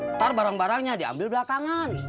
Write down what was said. ntar barang barangnya diambil belakangan